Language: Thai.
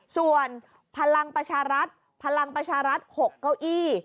ส่วนพลังประชารัฐ๖เก้าอี้